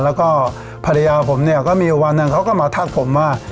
แล้วก็ภรรยาผมเนี่ยก็มีวันหนึ่งเขาก็มาทักผมว่า